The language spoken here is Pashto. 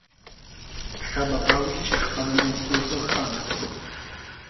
ښه به دا وي چې خپل منظور روښانه کړو.